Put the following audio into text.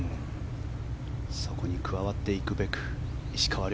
そこに加わっていくべく石川遼。